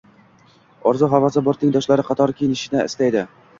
Orzu-havasi bor, tengdoshlari qatori kiyinishni istaydi